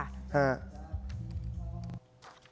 ฮ่า